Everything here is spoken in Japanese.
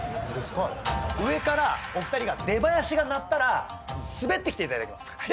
上からお二人が出ばやしが鳴ったら滑ってきていただきます。